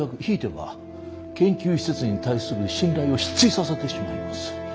ひいては研究施設に対する信頼を失墜させてしまいます。